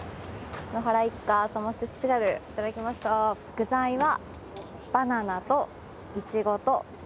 具材は。